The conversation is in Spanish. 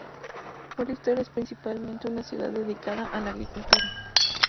Hollister es principalmente una ciudad dedicada a la agricultura.